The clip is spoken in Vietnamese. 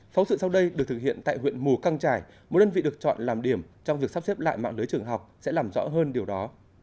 phóng sự sau đây được thực hiện tại huyện mù căng trải một đơn vị được chọn làm điểm trong việc sắp xếp lại mạng lưới trường học sẽ làm rõ hơn điều đó